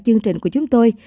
chương trình của chúng tôi